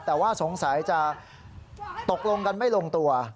แต่ว่าสงสัยจะตกลงกันไม่ลงตัว